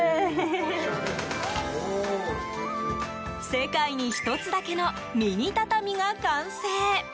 世界に１つだけのミニ畳が完成。